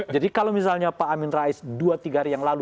jadi kalau misalnya pak amin rais dua tiga hari yang lalu